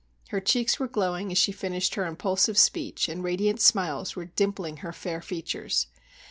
Her cheeks were glowing as she finished her impulsive speech, and radiant smiles were dimpling her fair features.